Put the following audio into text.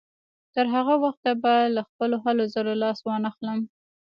تر هغه وخته به له خپلو هلو ځلو لاس وانهخلم.